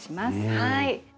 はい。